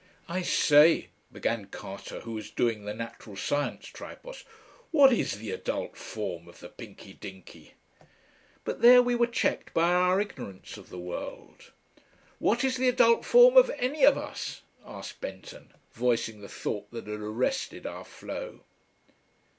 "I say," began Carter, who was doing the Natural Science Tripos, "what is the adult form of the Pinky Dinky?" But there we were checked by our ignorance of the world. "What is the adult form of any of us?" asked Benton, voicing the thought that had arrested our flow.